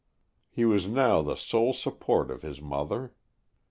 He was now the sole support of his mother.